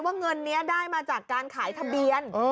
เงินนี้ได้มาจากการขายทะเบียน